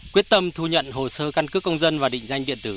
quyết tâm thu nhận hồ sơ căn cấp công dân và định danh địa tử